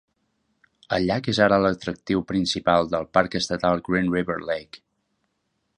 El llac és ara l'atractiu principal del Parc Estatal Green River Lake.